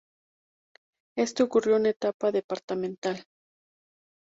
Esto Ocurrió en la Etapa Departamental.